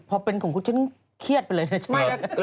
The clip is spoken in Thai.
พอเป็นของคุณฉันเครียดไปเลยนะ